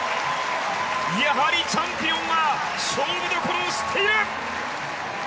やはりチャンピオンは勝負どころを知っている！